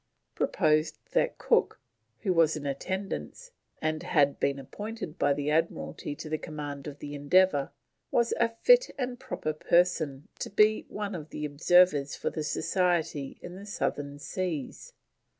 proposed that Cook, who was in attendance, and had been appointed by the Admiralty to the command of the Endeavour, was a fit and proper person to be one of the observers for the Society in the Southern Seas.